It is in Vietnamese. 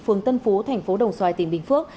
phường tân phú thành phố đồng xoài tỉnh bình phước